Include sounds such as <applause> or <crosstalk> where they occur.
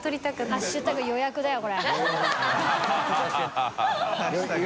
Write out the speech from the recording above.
ハッシュタグ予約だよこれハハハ <laughs>